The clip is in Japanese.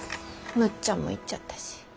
むっちゃんも行っちゃったし。